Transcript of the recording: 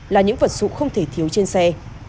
là những vật sụ không thể thiếu trên xe